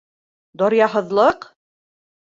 — Даръяһыҙлыҡ?